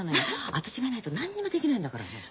私がいないと何にもできないんだからあの人。